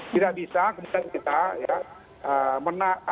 tidak bisa kemudian kita